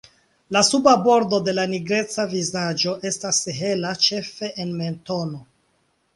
La suba bordo de la nigreca vizaĝo estas hela ĉefe en mentono.